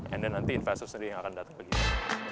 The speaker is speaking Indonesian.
and then nanti investor sendiri yang akan datang ke sini